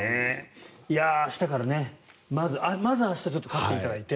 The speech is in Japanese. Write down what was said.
明日からまず明日ちょっと勝っていただいて。